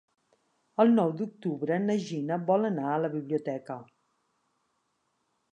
El nou d'octubre na Gina vol anar a la biblioteca.